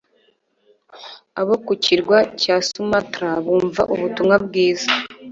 abo ku kirwa cya sumatra bumva ubutumwa bwiza